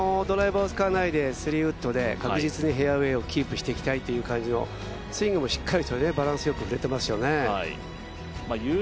ドライバーを使わないで３ウッドで確実にフェアウエーをキープしていきたいという感じのスイングもしっかりとバランスよく振れていますよね。